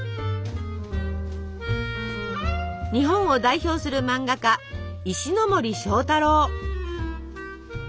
日本を代表する萬画家石森章太郎。